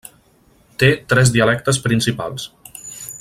Té tres dialectes principals.